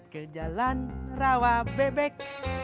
ke jalan rawa bebek